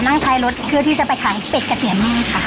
นั่งไทรถที่จะไปขายเป็ดกับเตี๋ยวแม่ค่ะ